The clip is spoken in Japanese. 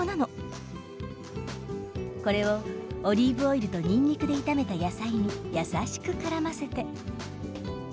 これをオリーブオイルとニンニクで炒めた野菜に優しくからませて。